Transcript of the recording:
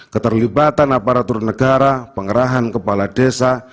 keterlibatan aparatur negara pengerahan kepala desa